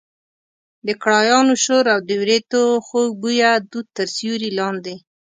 د کړایانو شور او د وریتو خوږ بویه دود تر سیوري لاندې.